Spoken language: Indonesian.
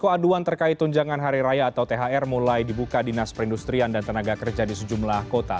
aduan terkait tunjangan hari raya atau thr mulai dibuka dinas perindustrian dan tenaga kerja di sejumlah kota